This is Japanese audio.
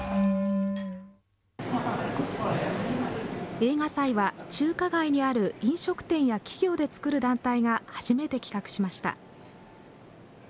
映画祭は中華街にある飲食店や企業で作る団体が初めて企画しました。